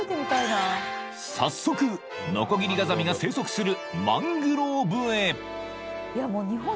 ［早速ノコギリガザミが生息する］